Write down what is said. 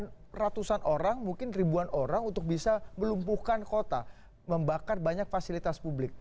dengan ratusan orang mungkin ribuan orang untuk bisa melumpuhkan kota membakar banyak fasilitas publik